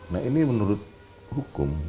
nah ini menurut hukum